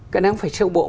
cái đó không phải siêu bộ